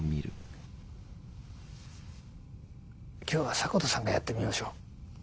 今日は迫田さんがやってみましょう。